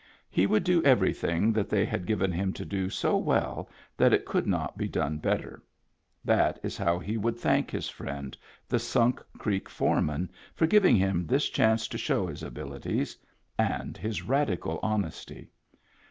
He would do everything that they had given him to do so well that it could not be done better ; that is how he would thank his friend, the Sunk Creek foreman, for giving him this chance to show his abilities — and his radical honesty.